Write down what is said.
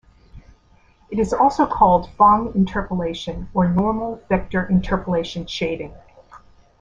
It is also called Phong interpolation or normal-vector interpolation shading.